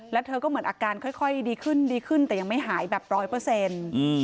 แล้วเธอก็เหมือนอาการค่อยดีขึ้นดีขึ้นแต่ยังไม่หายแบบร้อยเปอร์เซ็นต์